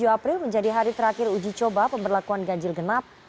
dua puluh tujuh april menjadi hari terakhir uji coba pemberlakuan gajil genap